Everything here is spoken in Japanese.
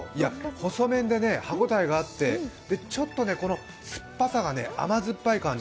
細麺で歯応えがあって、ちょっと酸っぱさが甘酸っぱい感じ。